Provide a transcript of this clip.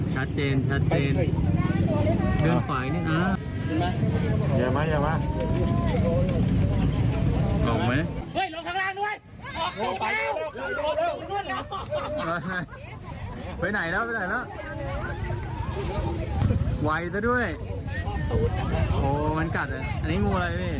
แล้วเจองูในวันเกิดด้วยล้อมรู้